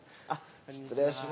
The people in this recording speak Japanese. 失礼します。